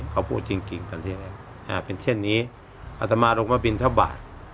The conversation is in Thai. เขาพูดจริงจริงกันที่แรกอ่ะเป็นเช่นนี้อัตมา